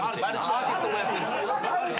アーティストもやってるし。